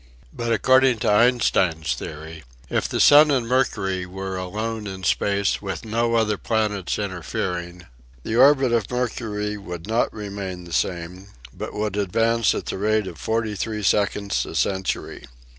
But according to Einstein's theory, if the sun and Mercury were alone in space with no other planets interfering, the orbit of Mercury would not remain the same, but would advance at the rate of 43 seconds a century.